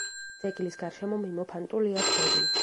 ძეგლის გარშემო მიმოფანტულია ქვები.